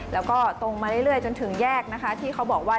แล้วก็ตรงมาเรื่อยจนถึงแยกนะคะที่เขาบอกว่า